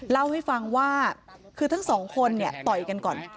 เล่าให้ฟังว่าคือทั้งสองคนเนี่ยต่อยกันก่อน